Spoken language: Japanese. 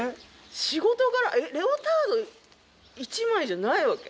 仕事柄レオタード１枚じゃないわけ？